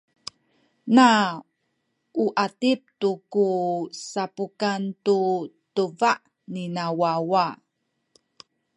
na u atip tu ku sapukan tu tubah nina wawa.